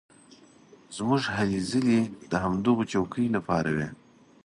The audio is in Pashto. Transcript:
زموږ هلې ځلې د همدغو څوکیو لپاره وې.